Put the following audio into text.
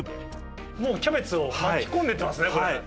もうキャベツを巻き込んでいってますね、これ。